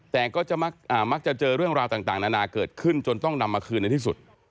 แต่ก็จะมักจะเจอเรื่องราวต่างนานาเกิดขึ้นจนต้องนำมาคืนในที่สุด